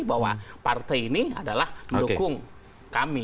bahwa partai ini adalah mendukung kami